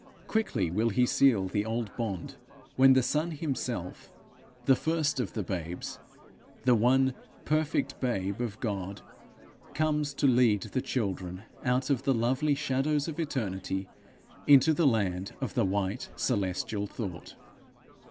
Quickly will he seal the old bond when the Son himself, the first of the babes, the one perfect babe of God, comes to lead the children out of the lovely 'shadows of eternity' into the land of the 'white celestial thought.'